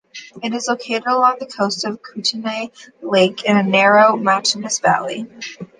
It is located along the coast of Kootenay Lake, in a narrow, mountainous valley.